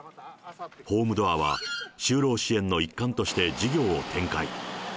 ホームドアは就労支援の一環として事業を展開。